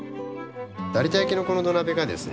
有田焼のこの土鍋がですね